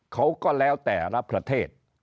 เขาก็แล้วแต่ละประเทศ